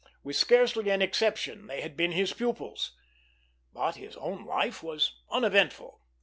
With scarcely an exception, they had been his pupils; but his own life was uneventful.